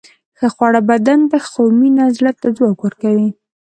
ښه خواړه بدن ته، خو مینه زړه ته ځواک ورکوي.